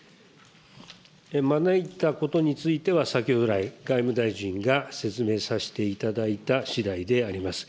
招いたことについては、先ほど来、外務大臣が説明させていただいたしだいであります。